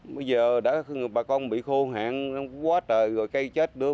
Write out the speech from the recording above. bây giờ bà con bị khô hạn quá trời rồi cây chết nữa